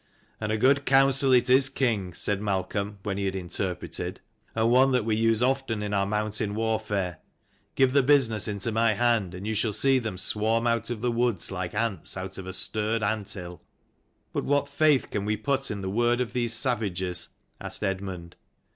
" And a good counsel it is, king," said Malcolm, when he had interpreted: "and one that we use often in our mountain warfare. Give the business into my hand, and you shall see them swarm out of the woods like ants out of a stirred anthill." " But what faith can we put in the word of these savages?" asked Eadmund.